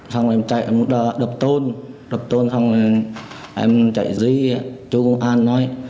xong em chạy đập tôn đập tôn xong em chạy dưới chỗ công an nói